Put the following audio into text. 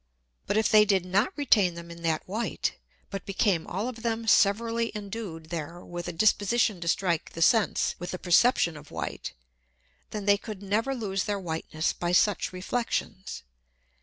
But if they did not retain them in that White, but became all of them severally endued there with a Disposition to strike the Sense with the Perception of White, then they could never lose their Whiteness by such Reflexions.